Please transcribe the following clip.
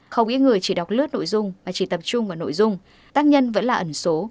không ít người chỉ đọc lướt nội dung mà chỉ tập trung vào nội dung tác nhân vẫn là ẩn số